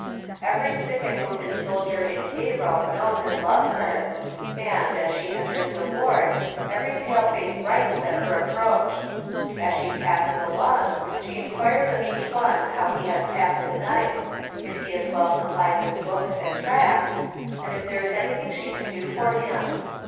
"Every sick and wounded soldier in Cairo knows and loves her, and, as she enters the ward, every pale face brightens at her approach. As she passes along she inquires of each one how he had passed the night, if he is well supplied with books and tracts, and if there is anything she can do for him.